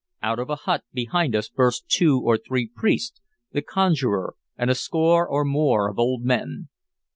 Out of a hut behind us burst two or three priests, the conjurer, and a score or more of old men.